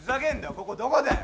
ここどこだよ！